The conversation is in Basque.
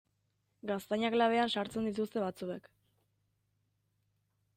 Gaztainak labean sartzen dituzte batzuek.